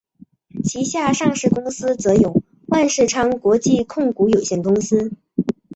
旗下上市公司则有万事昌国际控股有限公司。